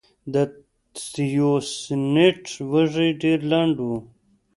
د تیوسینټ وږی ډېر لنډ و.